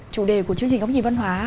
chủ đề của chương trình góc nhìn văn hóa